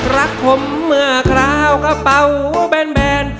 รักผมเมื่อคราวกระเป๋าแบน